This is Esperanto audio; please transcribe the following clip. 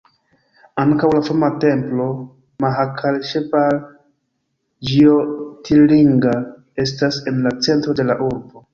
Ankaŭ la fama templo Mahakaleŝvar Ĝjotirlinga estas en la centro de la urbo.